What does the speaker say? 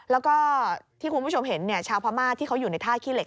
แล้วก็ที่คุณผู้ชมเห็นชาวพม่าที่เขาอยู่ในท่าขี้เหล็